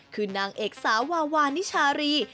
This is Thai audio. คือนางเอกสาววาวานิชารี